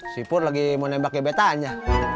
si pur lagi mau nembak gebetannya